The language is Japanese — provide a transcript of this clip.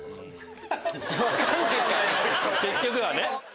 結局はね。